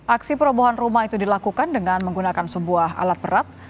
aksi perobohan rumah itu dilakukan dengan menggunakan sebuah alat berat